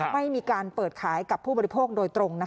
ไม่มีการเปิดขายกับผู้บริโภคโดยตรง